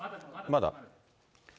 まだ？